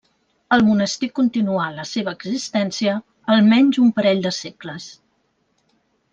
El monestir continuà la seva existència almenys un parell de segles.